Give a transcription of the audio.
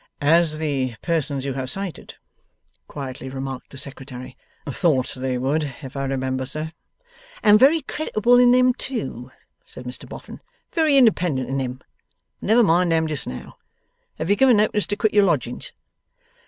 'As the persons you have cited,' quietly remarked the Secretary, 'thought they would, if I remember, sir.' 'And very creditable in 'em too,' said Mr Boffin. 'Very independent in 'em! But never mind them just now. Have you given notice to quit your lodgings?